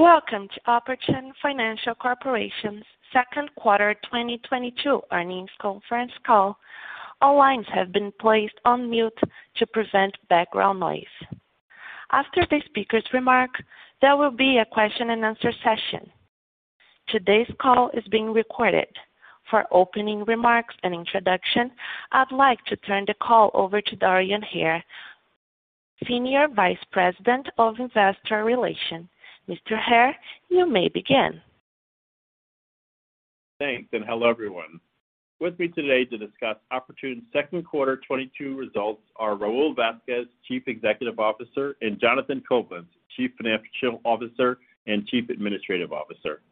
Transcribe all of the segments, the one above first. Welcome to Oportun Financial Corporation's second quarter 2022 earnings conference call. All lines have been placed on mute to prevent background noise. After the speaker's remarks, there will be a question-and-answer session. Today's call is being recorded. For opening remarks and introduction, I'd like to turn the call over to Dorian Hare, Senior Vice President of Investor Relations. Mr. Hare, you may begin. Thanks, and hello, everyone. With me today to discuss Oportun's second quarter 2022 results are Raul Vazquez, Chief Executive Officer, and Jonathan Coblentz, Chief Financial Officer and Chief Administrative Officer.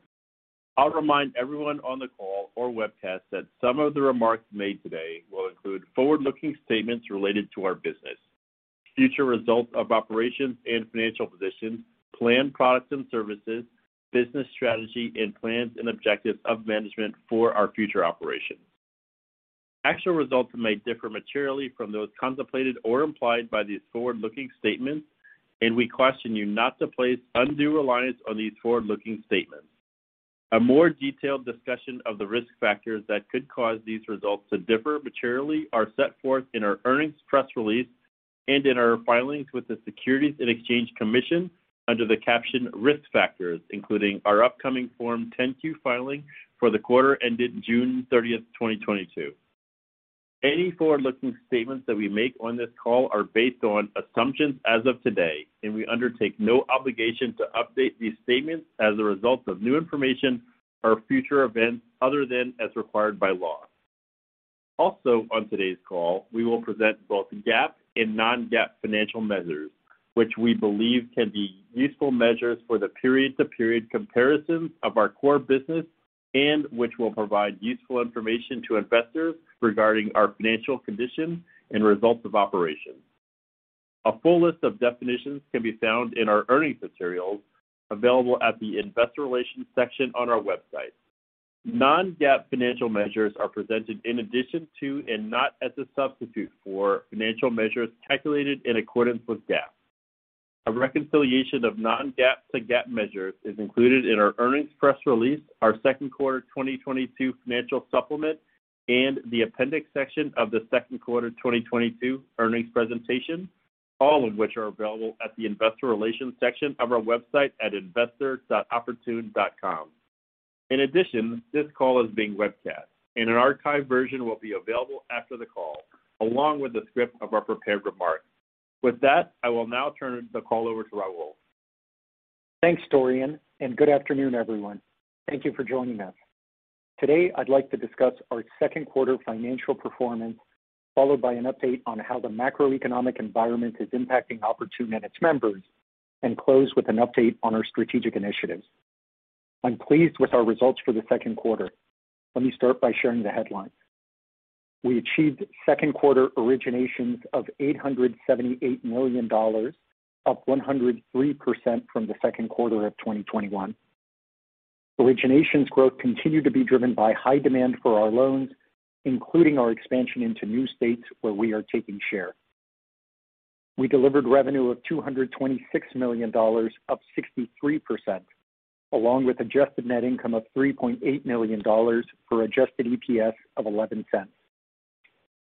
I'll remind everyone on the call or webcast that some of the remarks made today will include forward-looking statements related to our business, future results of operations and financial positions, planned products and services, business strategy, and plans and objectives of management for our future operations. Actual results may differ materially from those contemplated or implied by these forward-looking statements, and we caution you not to place undue reliance on these forward-looking statements. A more detailed discussion of the risk factors that could cause these results to differ materially are set forth in our earnings press release and in our filings with the Securities and Exchange Commission under the caption Risk Factors, including our upcoming Form 10-Q filing for the quarter ended June 30, 2022. Any forward-looking statements that we make on this call are based on assumptions as of today, and we undertake no obligation to update these statements as a result of new information or future events, other than as required by law. Also, on today's call, we will present both GAAP and non-GAAP financial measures, which we believe can be useful measures for the period-to-period comparison of our core business and which will provide useful information to investors regarding our financial condition and results of operations. A full list of definitions can be found in our earnings materials available at the investor relations section on our website. Non-GAAP financial measures are presented in addition to, and not as a substitute for, financial measures calculated in accordance with GAAP. A reconciliation of non-GAAP to GAAP measures is included in our earnings press release, our second quarter 2022 financial supplement, and the appendix section of the second quarter 2022 earnings presentation, all of which are available at the investor relations section of our website at investor.oportun.com. In addition, this call is being webcast, and an archived version will be available after the call, along with a script of our prepared remarks. With that, I will now turn the call over to Raul. Thanks, Dorian, and good afternoon, everyone. Thank you for joining us. Today, I'd like to discuss our second quarter financial performance, followed by an update on how the macroeconomic environment is impacting Oportun and its members, and close with an update on our strategic initiatives. I'm pleased with our results for the second quarter. Let me start by sharing the headlines. We achieved second quarter originations of $878 million, up 103% from the second quarter of 2021. Originations growth continued to be driven by high demand for our loans, including our expansion into new states where we are taking share. We delivered revenue of $226 million, up 63%, along with adjusted net income of $3.8 million for adjusted EPS of $0.11.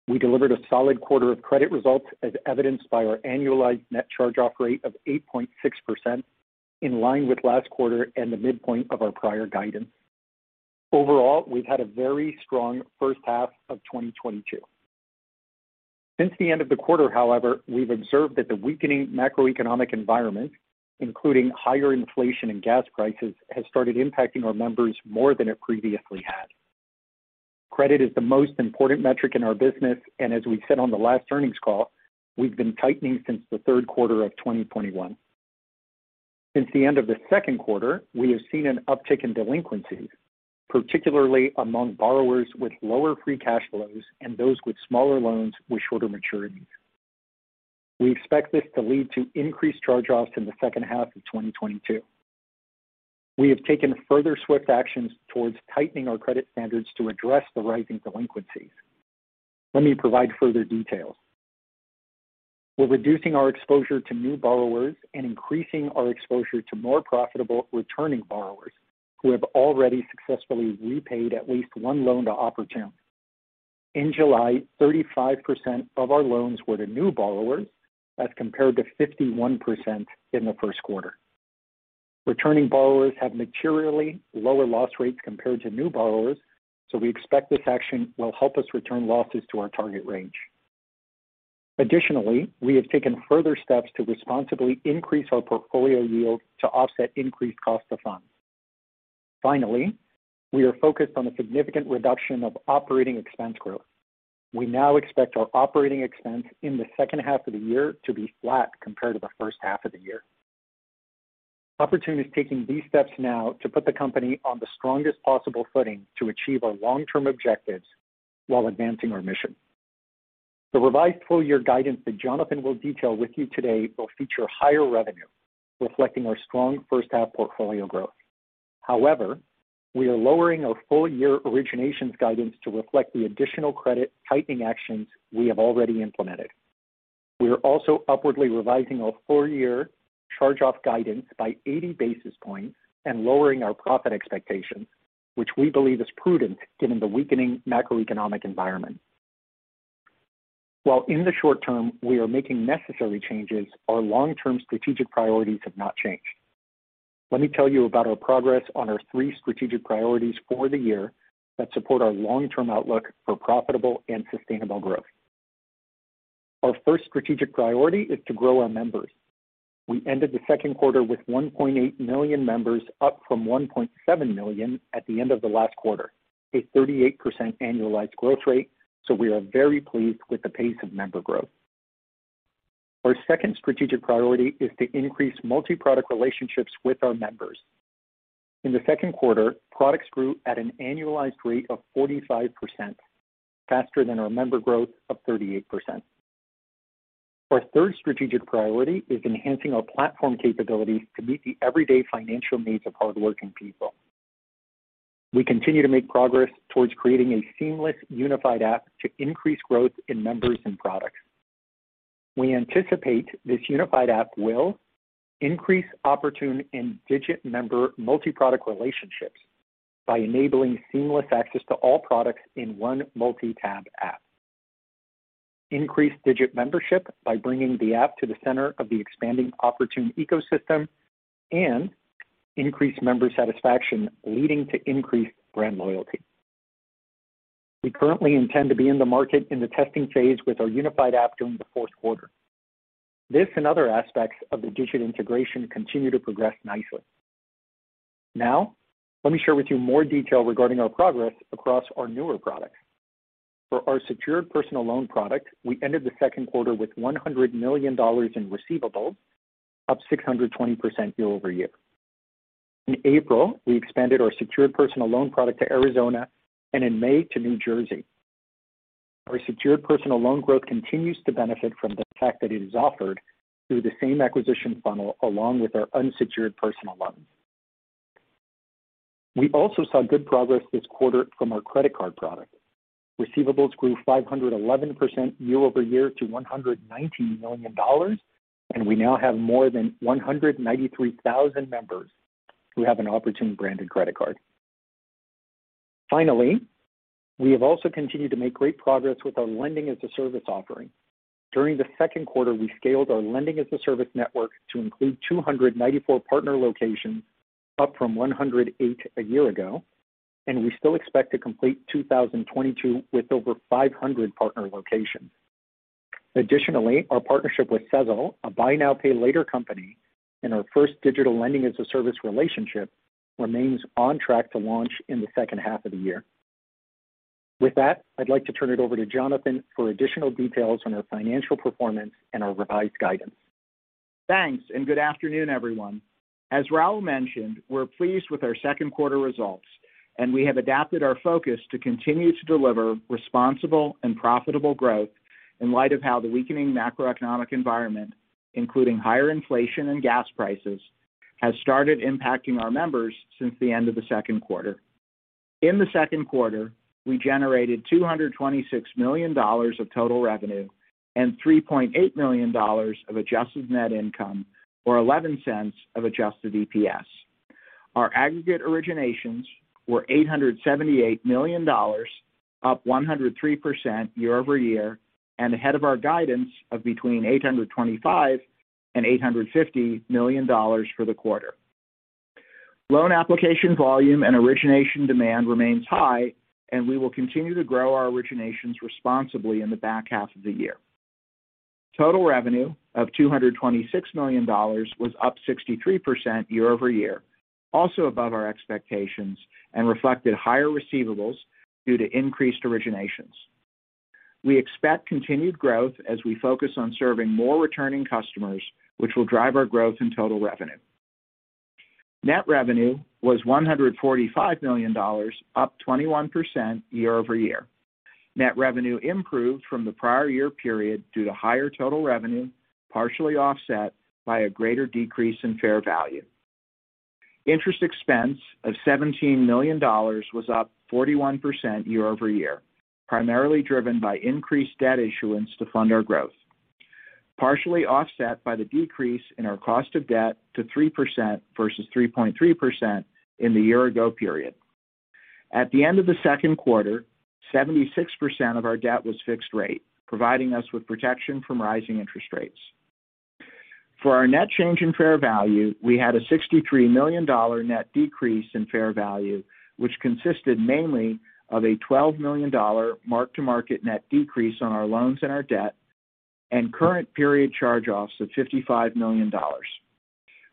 We delivered a solid quarter of credit results as evidenced by our annualized net charge-off rate of 8.6% in line with last quarter and the midpoint of our prior guidance. Overall, we've had a very strong first half of 2022. Since the end of the quarter, however, we've observed that the weakening macroeconomic environment, including higher inflation and gas prices, has started impacting our members more than it previously had. Credit is the most important metric in our business, and as we said on the last earnings call, we've been tightening since the third quarter of 2021. Since the end of the second quarter, we have seen an uptick in delinquencies, particularly among borrowers with lower free cash flows and those with smaller loans with shorter maturities. We expect this to lead to increased charge-offs in the second half of 2022. We have taken further swift actions towards tightening our credit standards to address the rising delinquencies. Let me provide further details. We're reducing our exposure to new borrowers and increasing our exposure to more profitable returning borrowers who have already successfully repaid at least one loan to Oportun. In July, 35% of our loans were to new borrowers as compared to 51% in the first quarter. Returning borrowers have materially lower loss rates compared to new borrowers, so we expect this action will help us return losses to our target range. Additionally, we have taken further steps to responsibly increase our portfolio yield to offset increased cost of funds. Finally, we are focused on a significant reduction of operating expense growth. We now expect our operating expense in the second half of the year to be flat compared to the first half of the year. Oportun is taking these steps now to put the company on the strongest possible footing to achieve our long-term objectives while advancing our mission. The revised full-year guidance that Jonathan will detail with you today will feature higher revenue reflecting our strong first-half portfolio growth. However, we are lowering our full-year originations guidance to reflect the additional credit tightening actions we have already implemented. We are also upwardly revising our full-year charge-off guidance by 80 basis points and lowering our profit expectations, which we believe is prudent given the weakening macroeconomic environment. While in the short term we are making necessary changes, our long-term strategic priorities have not changed. Let me tell you about our progress on our three strategic priorities for the year that support our long-term outlook for profitable and sustainable growth. Our first strategic priority is to grow our members. We ended the second quarter with 1.8 million members, up from 1.7 million at the end of the last quarter, a 38% annualized growth rate, so we are very pleased with the pace of member growth. Our second strategic priority is to increase multi-product relationships with our members. In the second quarter, products grew at an annualized rate of 45%, faster than our member growth of 38%. Our third strategic priority is enhancing our platform capabilities to meet the everyday financial needs of hardworking people. We continue to make progress towards creating a seamless unified app to increase growth in members and products. We anticipate this unified app will increase Oportun and Digit member multi-product relationships by enabling seamless access to all products in one multi-tab app. Increase Digit membership by bringing the app to the center of the expanding Oportun ecosystem and increase member satisfaction, leading to increased brand loyalty. We currently intend to be in the market in the testing phase with our unified app during the fourth quarter. This and other aspects of the Digit integration continue to progress nicely. Now, let me share with you more detail regarding our progress across our newer products. For our secured personal loan product, we ended the second quarter with $100 million in receivables, up 620% year-over-year. In April, we expanded our secured personal loan product to Arizona and in May to New Jersey. Our secured personal loan growth continues to benefit from the fact that it is offered through the same acquisition funnel along with our unsecured personal loans. We also saw good progress this quarter from our credit card product. Receivables grew 511% year-over-year to $119 million, and we now have more than 193,000 members who have an Oportun-branded credit card. Finally, we have also continued to make great progress with our lending-as-a-service offering. During the second quarter, we scaled our lending-as-a-service network to include 294 partner locations, up from 108 a year ago, and we still expect to complete 2022 with over 500 partner locations. Additionally, our partnership with Sezzle, a buy now, pay later company and our first digital lending-as-a-service relationship, remains on track to launch in the second half of the year. With that, I'd like to turn it over to Jonathan for additional details on our financial performance and our revised guidance. Thanks. Good afternoon, everyone. As Raul mentioned, we're pleased with our second quarter results and we have adapted our focus to continue to deliver responsible and profitable growth in light of how the weakening macroeconomic environment, including higher inflation and gas prices, has started impacting our members since the end of the second quarter. In the second quarter, we generated $226 million of total revenue and $3.8 million of adjusted net income or $0.11 of adjusted EPS. Our aggregate originations were $878 million, up 103% year-over-year, and ahead of our guidance of between $825 million and $850 million for the quarter. Loan application volume and origination demand remains high, and we will continue to grow our originations responsibly in the back half of the year. Total revenue of $226 million was up 63% year-over-year, also above our expectations and reflected higher receivables due to increased originations. We expect continued growth as we focus on serving more returning customers, which will drive our growth in total revenue. Net revenue was $145 million, up 21% year-over-year. Net revenue improved from the prior year period due to higher total revenue, partially offset by a greater decrease in fair value. Interest expense of $17 million was up 41% year-over-year, primarily driven by increased debt issuance to fund our growth, partially offset by the decrease in our cost of debt to 3% versus 3.3% in the year ago period. At the end of the second quarter, 76% of our debt was fixed rate, providing us with protection from rising interest rates. For our net change in fair value, we had a $63 million net decrease in fair value, which consisted mainly of a $12 million mark-to-market net decrease on our loans and our debt and current period charge-offs of $55 million.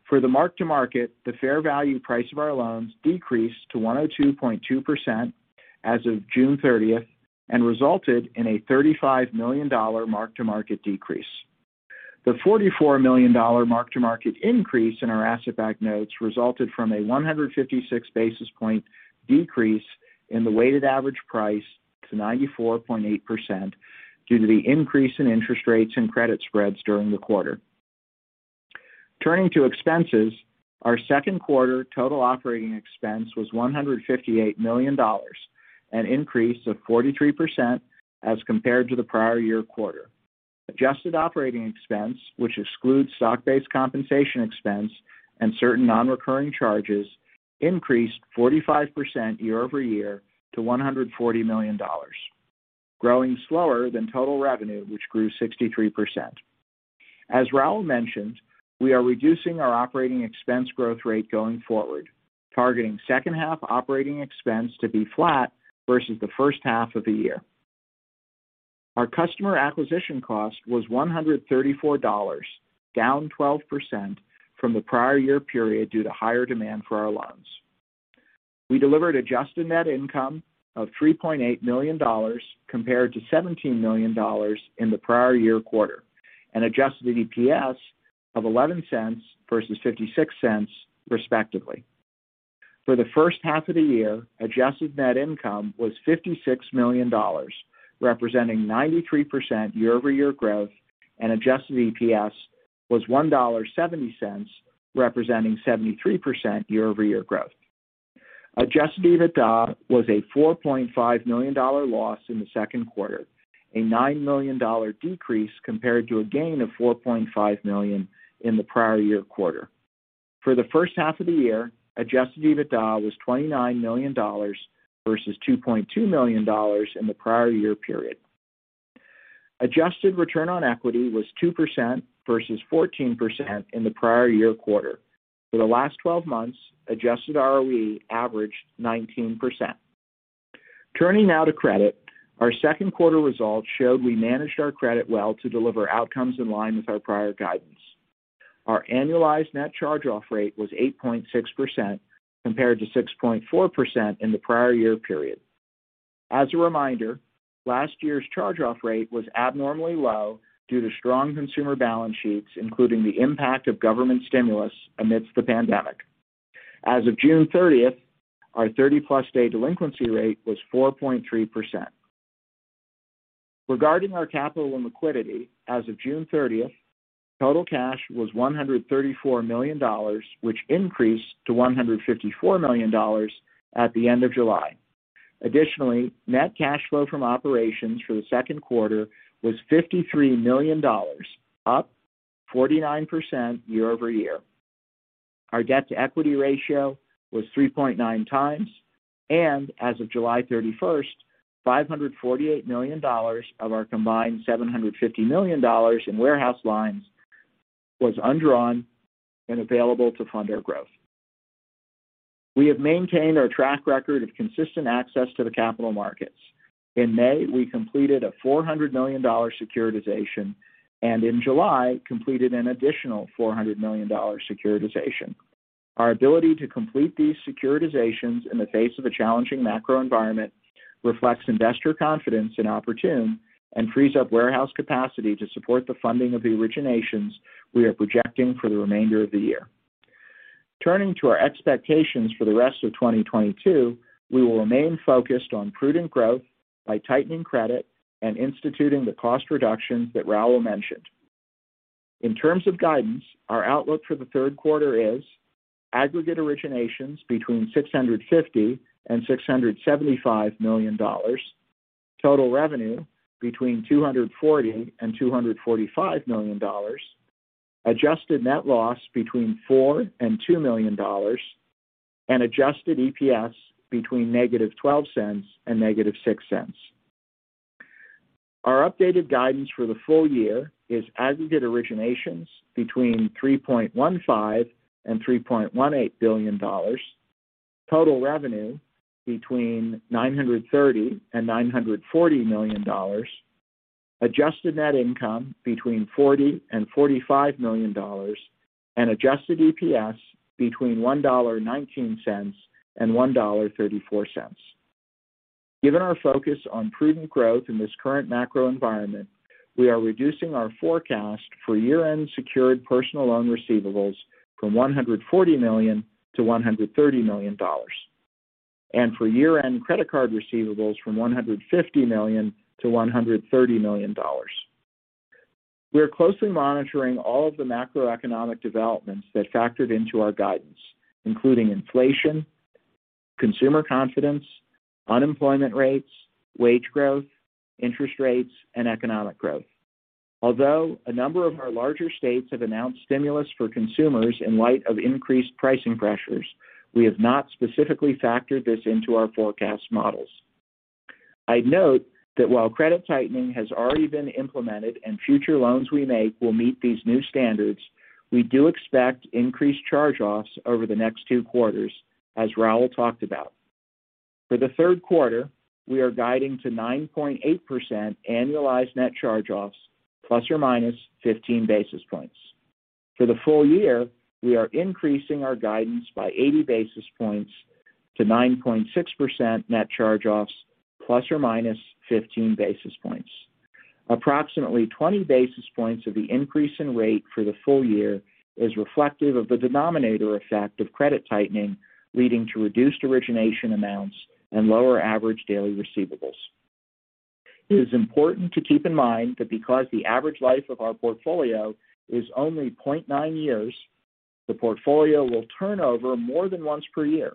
For the mark-to-market, the fair value price of our loans decreased to 102.2% as of June 30 and resulted in a $35 million mark-to-market decrease. The $44 million mark-to-market increase in our asset-backed notes resulted from a 156 basis point decrease in the weighted average price to 94.8% due to the increase in interest rates and credit spreads during the quarter. Turning to expenses, our second quarter total operating expense was $158 million, an increase of 43% as compared to the prior-year quarter. Adjusted operating expense, which excludes stock-based compensation expense and certain non-recurring charges, increased 45% year-over-year to $140 million, growing slower than total revenue, which grew 63%. As Raul mentioned, we are reducing our operating expense growth rate going forward, targeting second half operating expense to be flat versus the first half of the year. Our customer acquisition cost was $134, down 12% from the prior year period due to higher demand for our loans. We delivered adjusted net income of $3.8 million compared to $17 million in the prior year quarter, and adjusted EPS of $0.11 versus $0.56, respectively. For the first half of the year, adjusted net income was $56 million, representing 93% year-over-year growth, and adjusted EPS was $1.70, representing 73% year-over-year growth. Adjusted EBITDA was a $4.5 million loss in the second quarter, a $9 million decrease compared to a gain of $4.5 million in the prior year quarter. For the first half of the year, adjusted EBITDA was $29 million versus $2.2 million in the prior year period. Adjusted return on equity was 2% versus 14% in the prior year quarter. For the last 12 months, adjusted ROE averaged 19%. Turning now to credit. Our second quarter results showed we managed our credit well to deliver outcomes in line with our prior guidance. Our annualized net charge-off rate was 8.6% compared to 6.4% in the prior year period. As a reminder, last year's charge-off rate was abnormally low due to strong consumer balance sheets, including the impact of government stimulus amidst the pandemic. As of June 30, our 30+ day delinquency rate was 4.3%. Regarding our capital and liquidity, as of June 30, total cash was $134 million, which increased to $154 million at the end of July. Additionally, net cash flow from operations for the second quarter was $53 million, up 49% year-over-year. Our debt-to-equity ratio was 3.9x, and as of July 31st, $548 million of our combined $750 million in warehouse lines was undrawn and available to fund our growth. We have maintained our track record of consistent access to the capital markets. In May, we completed a $400 million securitization, and in July, completed an additional $400 million securitization. Our ability to complete these securitizations in the face of a challenging macro environment reflects investor confidence in Oportun and frees up warehouse capacity to support the funding of the originations we are projecting for the remainder of the year. Turning to our expectations for the rest of 2022, we will remain focused on prudent growth by tightening credit and instituting the cost reductions that Raul mentioned. In terms of guidance, our outlook for the third quarter is aggregate originations between $650 million and $675 million. Total revenue between $240 million and $245 million. Adjusted net loss between $4 million and $2 million. Adjusted EPS between -$0.12 and -$0.06. Our updated guidance for the full year is aggregate originations between $3.15 billion and $3.18 billion. Total revenue between $930 million and $940 million. Adjusted net income between $40 million and $45 million. Adjusted EPS between $1.19 and $1.34. Given our focus on prudent growth in this current macro environment, we are reducing our forecast for year-end secured personal loan receivables from $140 million to $130 million, and for year-end credit card receivables from $150 million to $130 million. We are closely monitoring all of the macroeconomic developments that factored into our guidance, including inflation, consumer confidence, unemployment rates, wage growth, interest rates, and economic growth. Although a number of our larger states have announced stimulus for consumers in light of increased pricing pressures, we have not specifically factored this into our forecast models. I'd note that while credit tightening has already been implemented and future loans we make will meet these new standards, we do expect increased charge-offs over the next two quarters, as Raul talked about. For the third quarter, we are guiding to 9.8% annualized net charge-offs, ±15 basis points. For the full year, we are increasing our guidance by 80 basis points to 9.6% net charge-offs, ±15 basis points. Approximately 20 basis points of the increase in rate for the full year is reflective of the denominator effect of credit tightening, leading to reduced origination amounts and lower average daily receivables. It is important to keep in mind that because the average life of our portfolio is only 0.9 years, the portfolio will turn over more than once per year.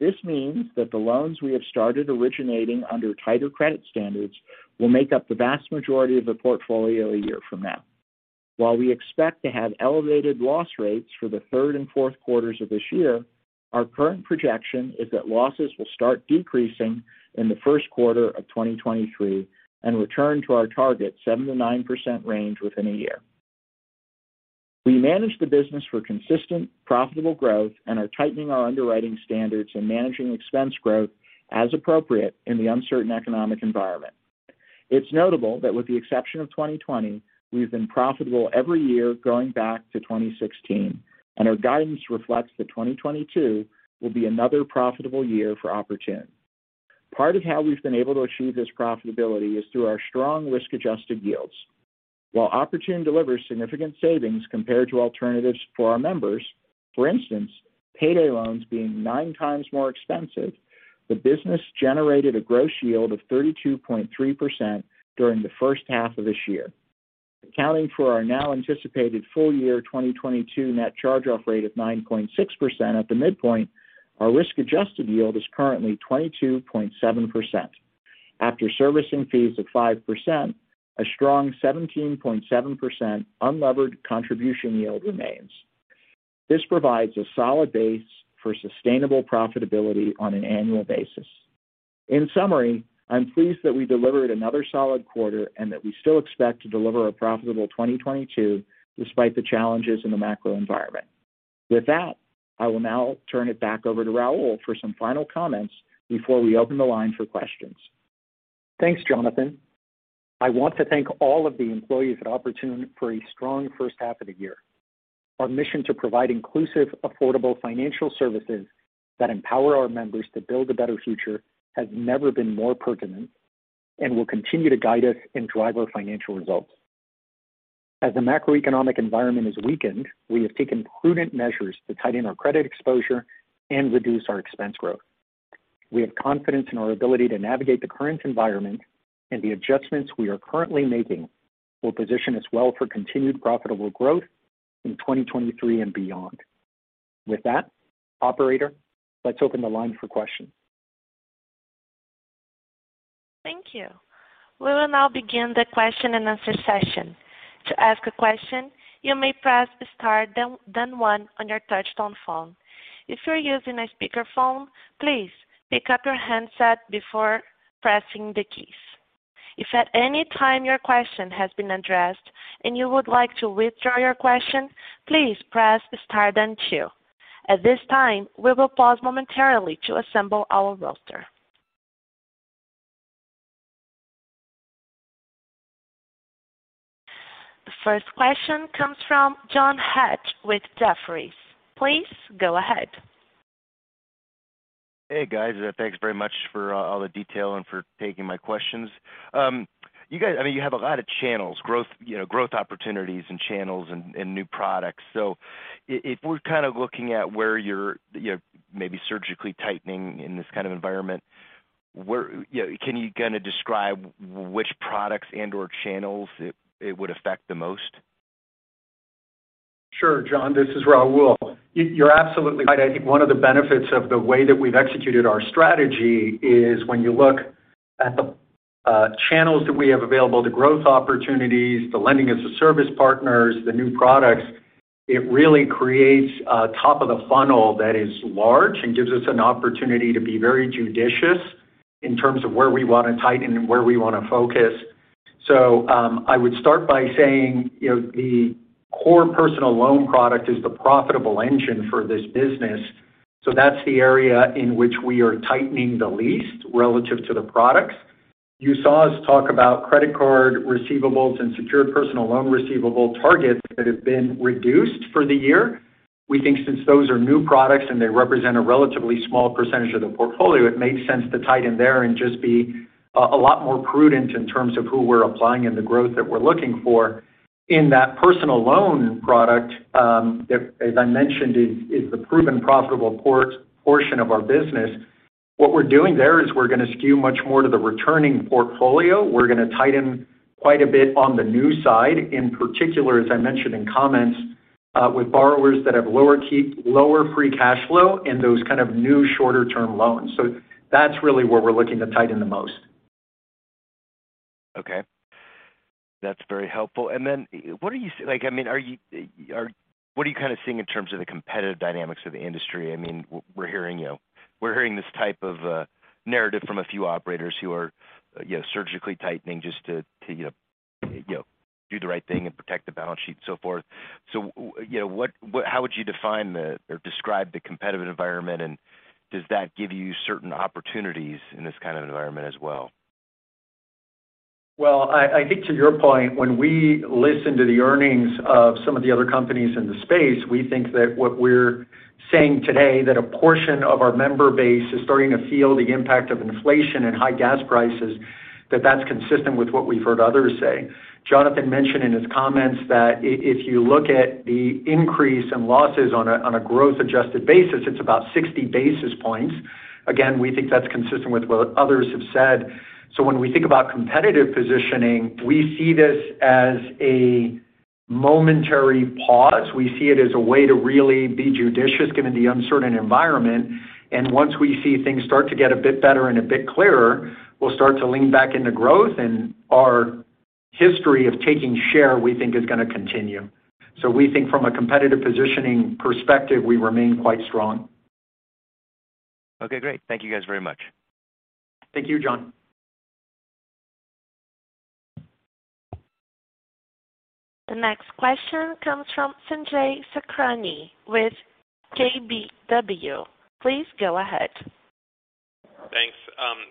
This means that the loans we have started originating under tighter credit standards will make up the vast majority of the portfolio a year from now. While we expect to have elevated loss rates for the third and fourth quarters of this year, our current projection is that losses will start decreasing in the first quarter of 2023 and return to our target 7%-9% range within a year. We manage the business for consistent, profitable growth and are tightening our underwriting standards and managing expense growth as appropriate in the uncertain economic environment. It's notable that with the exception of 2020, we've been profitable every year going back to 2016, and our guidance reflects that 2022 will be another profitable year for Oportun. Part of how we've been able to achieve this profitability is through our strong risk-adjusted yields. While Oportun delivers significant savings compared to alternatives for our members, for instance, payday loans being 9 times more expensive, the business generated a gross yield of 32.3% during the first half of this year. Accounting for our now anticipated full year 2022 net charge-off rate of 9.6% at the midpoint, our risk-adjusted yield is currently 22.7%. After servicing fees of 5%, a strong 17.7% unlevered contribution yield remains. This provides a solid base for sustainable profitability on an annual basis. In summary, I'm pleased that we delivered another solid quarter and that we still expect to deliver a profitable 2022 despite the challenges in the macro environment. With that, I will now turn it back over to Raul for some final comments before we open the line for questions. Thanks, Jonathan. I want to thank all of the employees at Oportun for a strong first half of the year. Our mission to provide inclusive, affordable financial services that empower our members to build a better future has never been more pertinent and will continue to guide us and drive our financial results. As the macroeconomic environment has weakened, we have taken prudent measures to tighten our credit exposure and reduce our expense growth. We have confidence in our ability to navigate the current environment, and the adjustments we are currently making will position us well for continued profitable growth in 2023 and beyond. With that, operator, let's open the line for questions. Thank you. We will now begin the question and answer session. To ask a question, you may press star then one on your touchtone phone. If you're using a speakerphone, please pick up your handset before pressing the keys. If at any time your question has been addressed and you would like to withdraw your question, please press star then two. At this time, we will pause momentarily to assemble our roster. The first question comes from John Hecht with Jefferies. Please go ahead. Hey, guys. Thanks very much for all the detail and for taking my questions. You guys—I mean, you have a lot of channels, growth opportunities and channels and new products. If we're kind of looking at where you're, you know, maybe surgically tightening in this kind of environment, you know, can you kind of describe which products and/or channels it would affect the most? Sure, John. This is Raul. You're absolutely right. I think one of the benefits of the way that we've executed our strategy is when you look at the channels that we have available, the growth opportunities, the Lending as a Service partners, the new products, it really creates a top of the funnel that is large and gives us an opportunity to be very judicious in terms of where we want to tighten and where we want to focus. I would start by saying, you know, the core personal loan product is the profitable engine for this business, so that's the area in which we are tightening the least relative to the products. You saw us talk about credit card receivables and secured personal loan receivable targets that have been reduced for the year. We think since those are new products and they represent a relatively small percentage of the portfolio, it makes sense to tighten there and just be a lot more prudent in terms of who we're applying and the growth that we're looking for. In that personal loan product, that, as I mentioned, is the proven profitable portion of our business, what we're doing there is we're going to skew much more to the returning portfolio. We're going to tighten quite a bit on the new side. In particular, as I mentioned in comments, with borrowers that have lower free cash flow and those kind of new shorter-term loans. That's really where we're looking to tighten the most. Okay. That's very helpful. Like, I mean, what are you kind of seeing in terms of the competitive dynamics of the industry? I mean, we're hearing, you know, this type of narrative from a few operators who are, you know, surgically tightening just to do the right thing and protect the balance sheet and so forth. You know, how would you define or describe the competitive environment? Does that give you certain opportunities in this kind of environment as well? Well, I think to your point, when we listen to the earnings of some of the other companies in the space, we think that what we're saying today, that a portion of our member base is starting to feel the impact of inflation and high gas prices, that that's consistent with what we've heard others say. Jonathan mentioned in his comments that if you look at the increase in losses on a growth-adjusted basis, it's about 60 basis points. Again, we think that's consistent with what others have said. When we think about competitive positioning, we see this as a momentary pause. We see it as a way to really be judicious given the uncertain environment. Once we see things start to get a bit better and a bit clearer, we'll start to lean back into growth. Our history of taking share, we think, is gonna continue. We think from a competitive positioning perspective, we remain quite strong. Okay, great. Thank you guys very much. Thank you, John. The next question comes from Sanjay Sakhrani with KBW. Please go ahead. Thanks.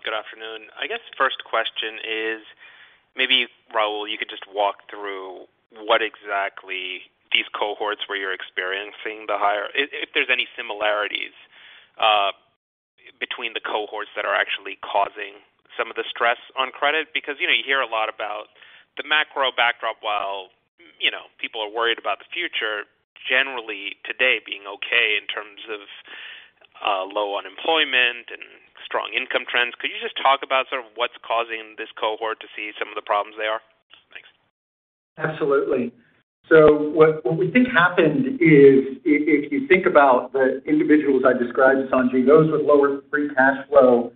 Good afternoon. I guess first question is maybe, Raul, you could just walk through what exactly these cohorts where you're experiencing the higher. If there's any similarities between the cohorts that are actually causing some of the stress on credit. Because you know, you hear a lot about the macro backdrop, while you know, people are worried about the future generally today being okay in terms of low unemployment and strong income trends. Could you just talk about sort of what's causing this cohort to see some of the problems they are? Thanks. Absolutely. What we think happened is if you think about the individuals I described, Sanjay, those with lower free cash flow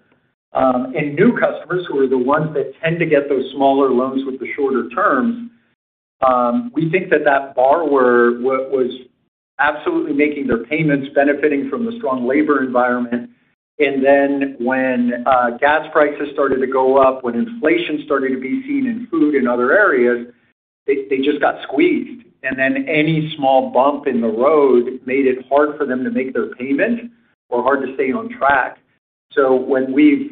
and new customers who are the ones that tend to get those smaller loans with the shorter terms, we think that that borrower was absolutely making their payments, benefiting from the strong labor environment. When gas prices started to go up, when inflation started to be seen in food and other areas, they just got squeezed. Any small bump in the road made it hard for them to make their payment or hard to stay on track. When we've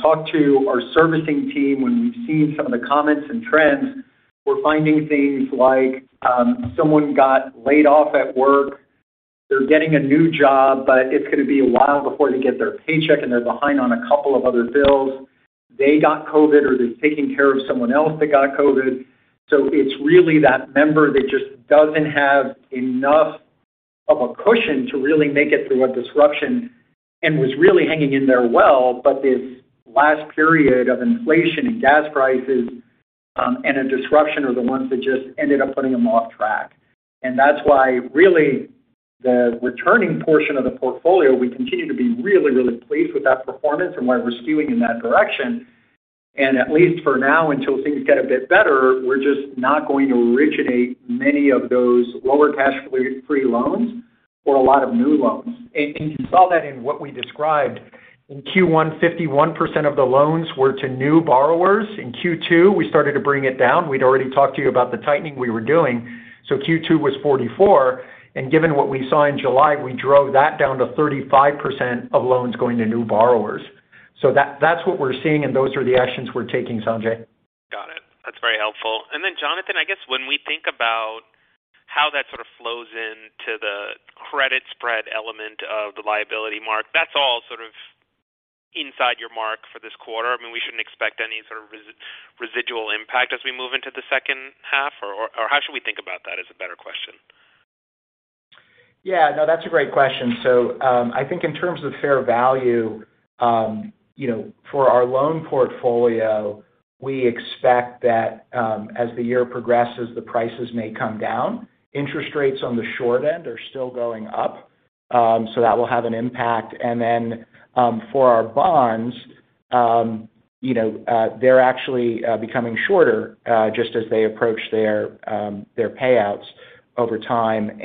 talked to our servicing team, when we've seen some of the comments and trends, we're finding things li ke someone got laid off at work. They're getting a new job, but it's gonna be a while before they get their paycheck, and they're behind on a couple of other bills. They got COVID, or they're taking care of someone else that got COVID. It's really that member that just doesn't have enough of a cushion to really make it through a disruption and was really hanging in there well. This last period of inflation and gas prices, and a disruption are the ones that just ended up putting them off track. That's why really the returning portion of the portfolio, we continue to be really, really pleased with that performance and why we're skewing in that direction. At least for now, until things get a bit better, we're just not going to originate many of those lower cash free loans or a lot of new loans. You saw that in what we described. In Q1, 51% of the loans were to new borrowers. In Q2, we started to bring it down. We'd already talked to you about the tightening we were doing. Q2 was 44. Given what we saw in July, we drove that down to 35% of loans going to new borrowers. That's what we're seeing, and those are the actions we're taking, Sanjay. Got it. That's very helpful. Then, Jonathan, I guess when we think about how that sort of flows into the credit spread element of the liability mark, that's all sort of inside your mark for this quarter. I mean, we shouldn't expect any sort of residual impact as we move into the second half or how should we think about that is a better question. Yeah. No, that's a great question. I think in terms of fair value, you know, for our loan portfolio, we expect that, as the year progresses, the prices may come down. Interest rates on the short end are still going up, so that will have an impact. For our bonds, you know, they're actually becoming shorter, just as they approach their payouts over time.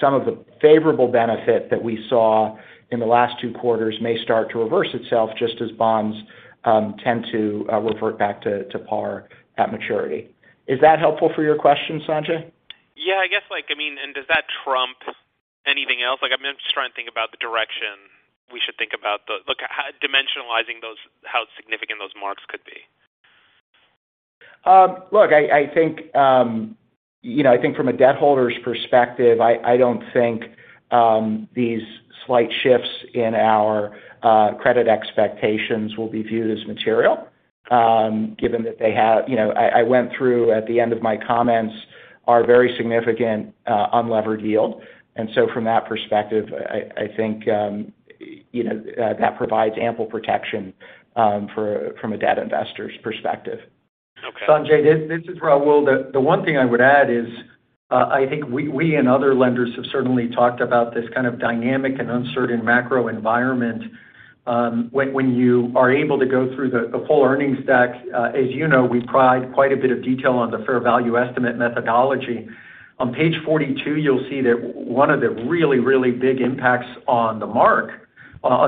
Some of the favorable benefit that we saw in the last two quarters may start to reverse itself just as bonds tend to revert back to par at maturity. Is that helpful for your question, Sanjay? Yeah, I guess, like, I mean, and does that trump anything else? Like, I'm just trying to think about the direction we should think about. Look, dimensionalizing those, how significant those marks could be. Look, I think, you know, I think from a debt holder's perspective, I don't think these slight shifts in our credit expectations will be viewed as material. You know, I went through at the end of my comments our very significant unlevered yield. From that perspective, I think, you know, that provides ample protection from a debt investor's perspective. Okay. Sanjay, this is Raul. The one thing I would add is, I think we and other lenders have certainly talked about this kind of dynamic and uncertain macro environment. When you are able to go through the full earnings stack, as you know, we provide quite a bit of detail on the fair value estimate methodology. On page 42, you'll see that one of the really big impacts on the mark on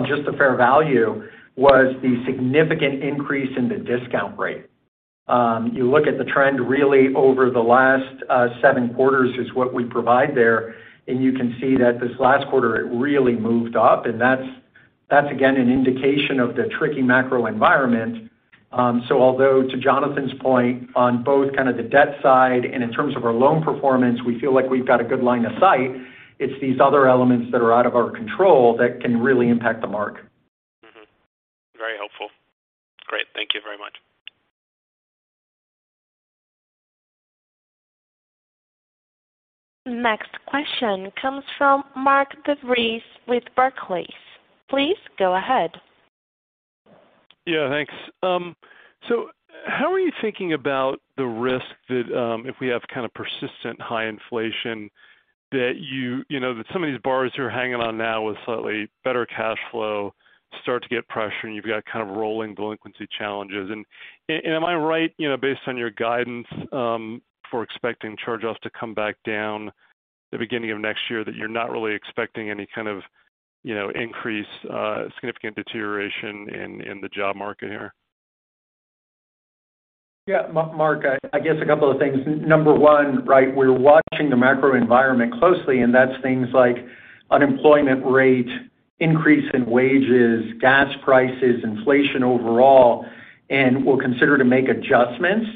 just the fair value was the significant increase in the discount rate. You look at the trend really over the last seven quarters is what we provide there. You can see that this last quarter it really moved up. That's again an indication of the tricky macro environment. Although to Jonathan's point on both kind of the debt side and in terms of our loan performance, we feel like we've got a good line of sight. It's these other elements that are out of our control that can really impact the mark. Mm-hmm. Very helpful. Great. Thank you very much. Next question comes from Mark DeVries with Barclays. Please go ahead. Yeah, thanks. So how are you thinking about the risk that, if we have kind of persistent high inflation that you know, that some of these borrowers who are hanging on now with slightly better cash flow start to get pressure, and you've got kind of rolling delinquency challenges. Am I right, you know, based on your guidance, for expecting charge-offs to come back down the beginning of next year that you're not really expecting any kind of, you know, increase, significant deterioration in the job market here? Yeah. Mark, I guess a couple of things. Number one, right, we're watching the macro environment closely, and that's things like unemployment rate, increase in wages, gas prices, inflation overall. We'll continue to make adjustments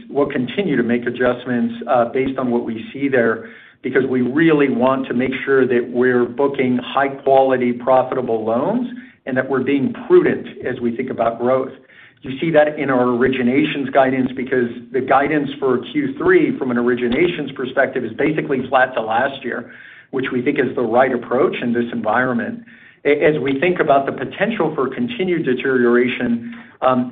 based on what we see there because we really want to make sure that we're booking high-quality, profitable loans and that we're being prudent as we think about growth. You see that in our originations guidance because the guidance for Q3 from an originations perspective is basically flat to last year, which we think is the right approach in this environment. As we think about the potential for continued deterioration,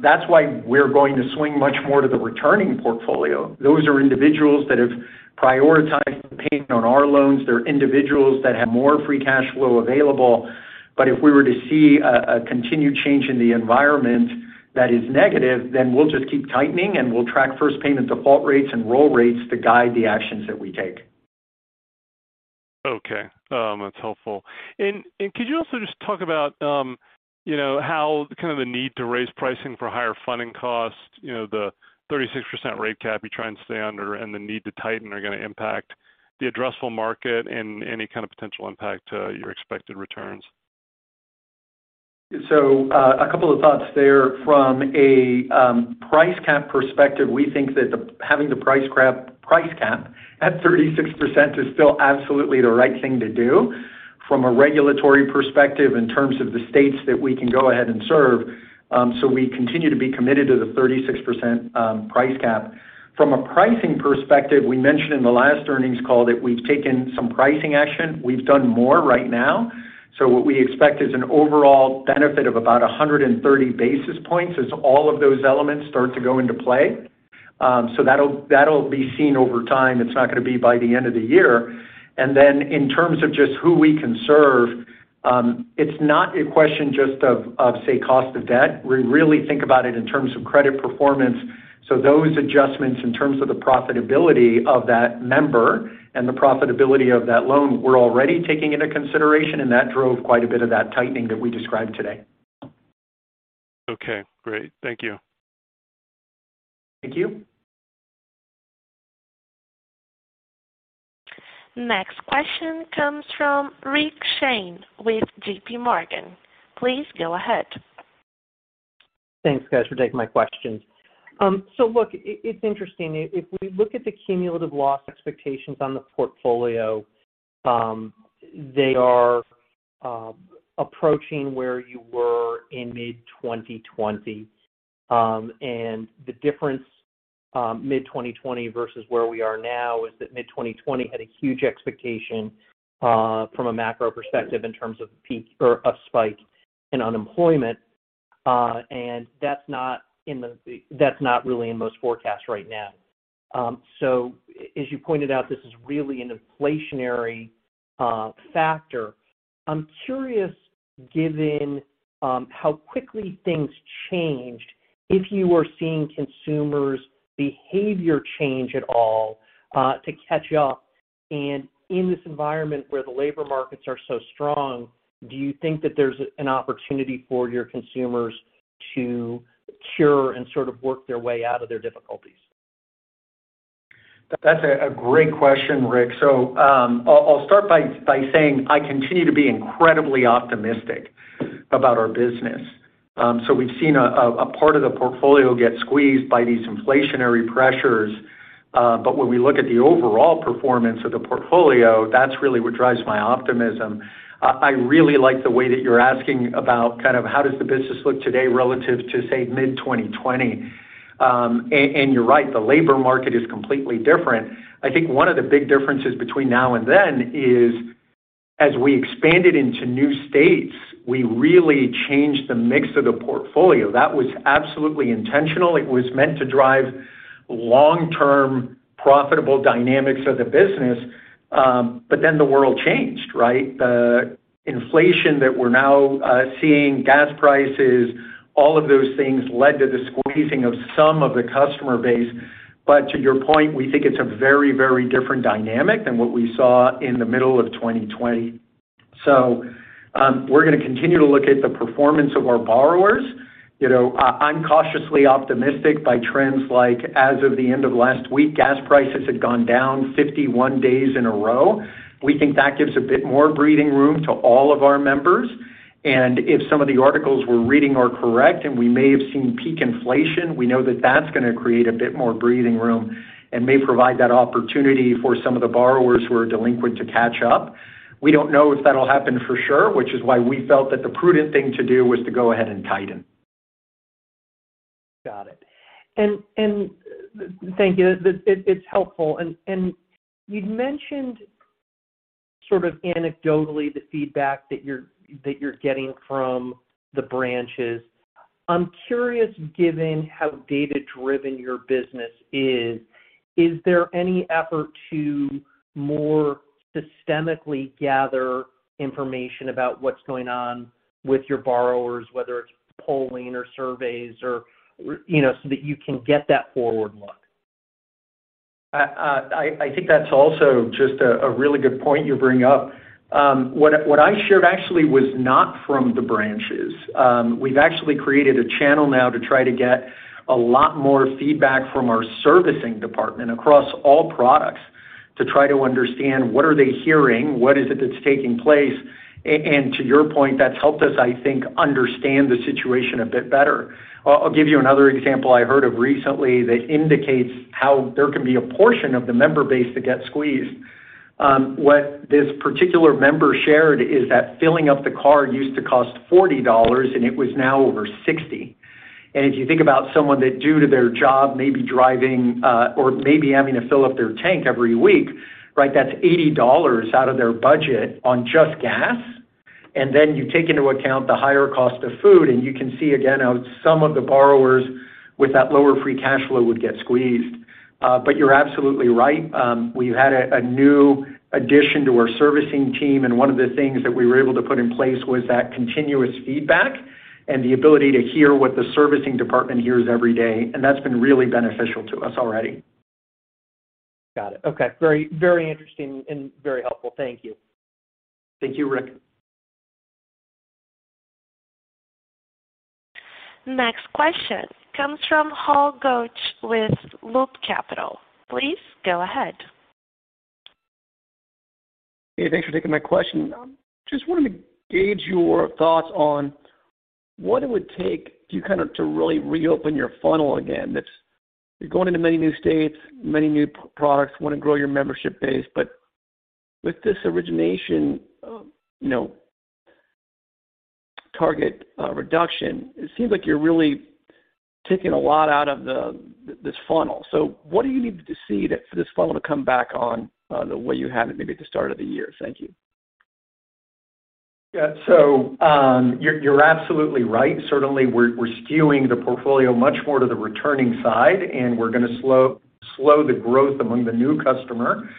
that's why we're going to swing much more to the returning portfolio. Those are individuals that have prioritized paying on our loans. They're individuals that have more free cash flow available. If we were to see a continued change in the environment that is negative, then we'll just keep tightening, and we'll track first payment default rates and roll rates to guide the actions that we take. That's helpful. Could you also just talk about, you know, how kind of the need to raise pricing for higher funding costs, you know, the 36% rate cap you try and stay under and the need to tighten are gonna impact the addressable market and any kind of potential impact to your expected returns? A couple of thoughts there. From a price cap perspective, we think that having the price cap at 36% is still absolutely the right thing to do from a regulatory perspective in terms of the states that we can go ahead and serve. We continue to be committed to the 36% price cap. From a pricing perspective, we mentioned in the last earnings call that we've taken some pricing action. We've done more right now. What we expect is an overall benefit of about 130 basis points as all of those elements start to go into play. That'll be seen over time. It's not gonna be by the end of the year. In terms of just who we can serve, it's not a question just of, say, cost of debt. We really think about it in terms of credit performance. Those adjustments in terms of the profitability of that member and the profitability of that loan, we're already taking into consideration, and that drove quite a bit of that tightening that we described today. Okay, great. Thank you. Thank you. Next question comes from Rick Shane with JPMorgan. Please go ahead. Thanks, guys, for taking my questions. Look, it's interesting. If we look at the cumulative loss expectations on the portfolio, they are approaching where you were in mid-2020. The difference, mid-2020 versus where we are now is that mid-2020 had a huge expectation from a macro perspective in terms of peak or a spike in unemployment, and that's not really in most forecasts right now. As you pointed out, this is really an inflationary factor. I'm curious, given how quickly things changed, if you are seeing consumers' behavior change at all to catch up. In this environment where the labor markets are so strong, do you think that there's an opportunity for your consumers to cure and sort of work their way out of their difficulties? That's a great question, Rick. I'll start by saying I continue to be incredibly optimistic about our business. We've seen a part of the portfolio get squeezed by these inflationary pressures. But when we look at the overall performance of the portfolio, that's really what drives my optimism. I really like the way that you're asking about kind of how does the business look today relative to, say, mid-2020. You're right, the labor market is completely different. I think one of the big differences between now and then is as we expanded into new states, we really changed the mix of the portfolio. That was absolutely intentional. It was meant to drive long-term profitable dynamics of the business. Then the world changed, right? The inflation that we're now seeing gas prices, all of those things led to the squeezing of some of the customer base. To your point, we think it's a very, very different dynamic than what we saw in the middle of 2020. We're gonna continue to look at the performance of our borrowers. You know, I'm cautiously optimistic by trends like, as of the end of last week, gas prices had gone down 51 days in a row. We think that gives a bit more breathing room to all of our members. If some of the articles we're reading are correct and we may have seen peak inflation, we know that that's gonna create a bit more breathing room and may provide that opportunity for some of the borrowers who are delinquent to catch up. We don't know if that'll happen for sure, which is why we felt that the prudent thing to do was to go ahead and tighten. Thank you. It's helpful. You'd mentioned sort of anecdotally the feedback that you're getting from the branches. I'm curious, given how data-driven your business is there any effort to more systematically gather information about what's going on with your borrowers, whether it's polling or surveys or, you know, so that you can get that forward look? I think that's also just a really good point you bring up. What I shared actually was not from the branches. We've actually created a channel now to try to get a lot more feedback from our servicing department across all products to try to understand what are they hearing, what is it that's taking place. To your point, that's helped us, I think, understand the situation a bit better. I'll give you another example I heard of recently that indicates how there can be a portion of the member base that gets squeezed. What this particular member shared is that filling up the car used to cost $40, and it was now over $60. If you think about someone that due to their job, may be driving, or may be having to fill up their tank every week, right? That's $80 out of their budget on just gas. You take into account the higher cost of food, and you can see again how some of the borrowers with that lower free cash flow would get squeezed. You're absolutely right. We've had a new addition to our servicing team, and one of the things that we were able to put in place was that continuous feedback and the ability to hear what the servicing department hears every day. That's been really beneficial to us already. Got it. Okay. Very, very interesting and very helpful. Thank you. Thank you, Rick. Next question comes from Hal Goetsch with Loop Capital. Please go ahead. Hey, thanks for taking my question. Just wanted to gauge your thoughts on what it would take you kind of to really reopen your funnel again, that you're going into many new states, many new products, wanna grow your membership base, but with this origination, you know, target reduction, it seems like you're really taking a lot out of this funnel. What do you need to see for this funnel to come back on the way you had it maybe at the start of the year? Thank you. Yeah. You're absolutely right. Certainly, we're skewing the portfolio much more to the returning side, and we're gonna slow the growth among the new customer.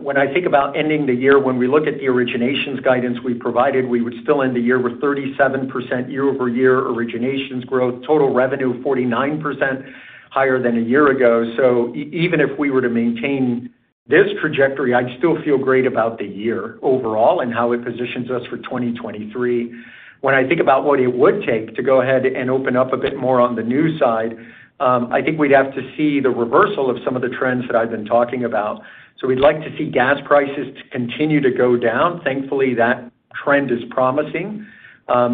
When I think about ending the year, when we look at the originations guidance we provided, we would still end the year with 37% year-over-year originations growth. Total revenue, 49% higher than a year ago. Even if we were to maintain this trajectory, I'd still feel great about the year overall and how it positions us for 2023. When I think about what it would take to go ahead and open up a bit more on the new side, I think we'd have to see the reversal of some of the trends that I've been talking about. We'd like to see gas prices to continue to go down. Thankfully, that trend is promising.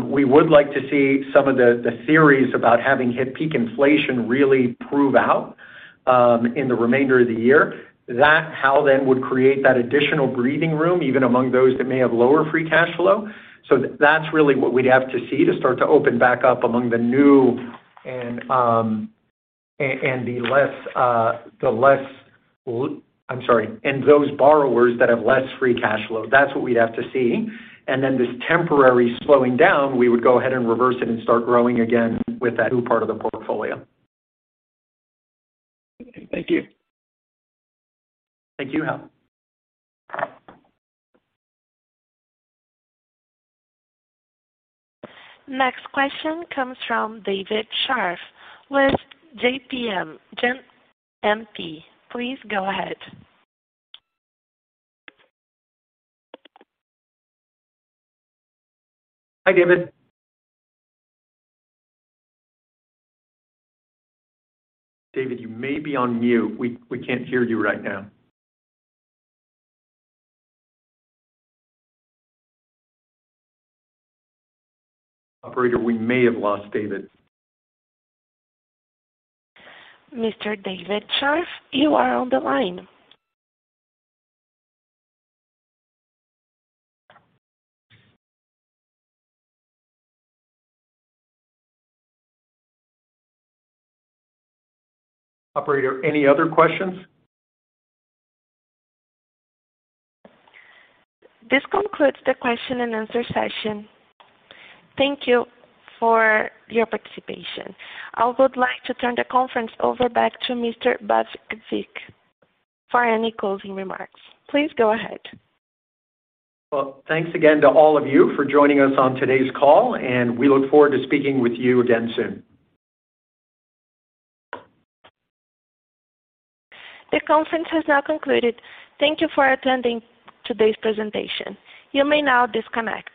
We would like to see some of the theories about having hit peak inflation really prove out in the remainder of the year. That how then would create that additional breathing room, even among those that may have lower free cash flow. That's really what we'd have to see to start to open back up among the new and those borrowers that have less free cash flow. That's what we'd have to see. Then this temporary slowing down, we would go ahead and reverse it and start growing again with that new part of the portfolio. Thank you. Thank you, Hal. Next question comes from David Scharf with Citizens JMP. Please go ahead. Hi, David. David, you may be on mute. We can't hear you right now. Operator, we may have lost David. Mr. David Scharf, you are on the line. Operator, any other questions? This concludes the question and answer session. Thank you for your participation. I would like to turn the conference over back to Mr. Vazquez for any closing remarks. Please go ahead. Well, thanks again to all of you for joining us on today's call, and we look forward to speaking with you again soon. The conference has now concluded. Thank you for attending today's presentation. You may now disconnect.